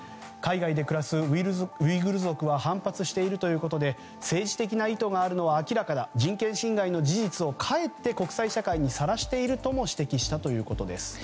海外で暮らすウイグル族は反発しているということで政治的な意図があるのは明らかだ人権侵害の事実をかえって国際社会にさらしているとも指摘したということです。